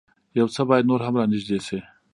يو څه بايد نور هم را نېږدې شي.